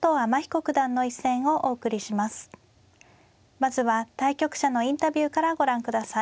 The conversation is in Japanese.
まずは対局者のインタビューからご覧ください。